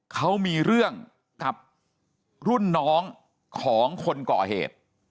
เขามีเรื่องกับรุ่นน้องของคนก่อเหตุ